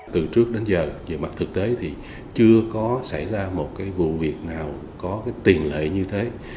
từ trước đến giờ về mặt thực tế thì chưa có xảy ra một vụ việc nào có tiền lợi như thế